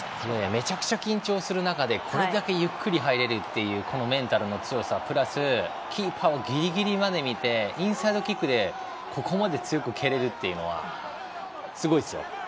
めちゃくちゃ緊張する中でこれだけゆっくり入れるこのメンタルの強さプラスキーパーをギリギリまで見てインサイドキックでここまで強く蹴れるというのはすごいですよ。